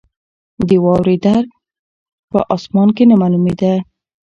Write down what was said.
د واورې درک په اسمان کې نه معلومېده.